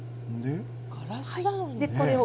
ガラスなのに。